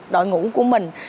đội ngũ của mình